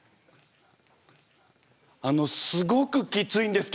あのすごくきついんですけど。